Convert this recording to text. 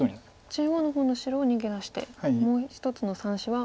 中央の方の白を逃げ出してもう一つの３子は。